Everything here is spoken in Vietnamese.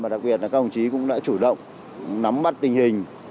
đặc biệt là công chí cũng đã chủ động nắm mắt tình hình